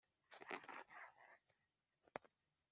Imyambi ivuza ubuhuha